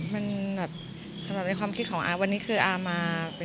มันสำหรับความคิดของอาวันนี้อามาเป็น